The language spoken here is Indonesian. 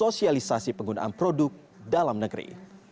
sosialisasi penggunaan produk dalam negeri